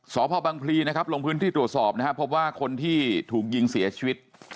สพบังพลีนะครับลงพื้นที่ตรวจสอบนะครับพบว่าคนที่ถูกยิงเสียชีวิต